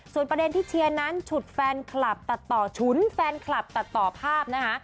ส่วนประเด็นที่เชียร์นั้นฉุนแฟนคลับตัดต่อภาพนะฮะ